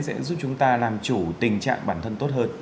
sẽ giúp chúng ta làm chủ tình trạng bản thân